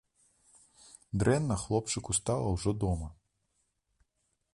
Дрэнна хлопчыку стала ўжо дома.